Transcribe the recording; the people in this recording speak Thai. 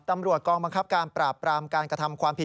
ตำรวจกองบังคับการปราบปรามการกระทำความผิด